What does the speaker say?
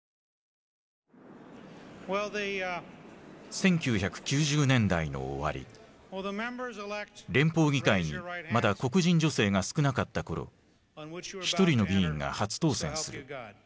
１９９０年代の終わり連邦議会にまだ黒人女性が少なかった頃一人の議員が初当選する。